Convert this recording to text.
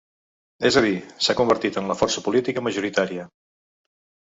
És a dir, s’ha convertit en la força política majoritària.